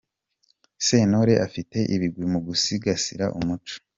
Sentore afite ibigwi mu gusigasira umuco.